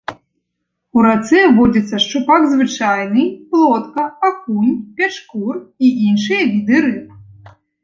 У рацэ водзяцца шчупак звычайны, плотка, акунь, пячкур і іншыя віды рыб.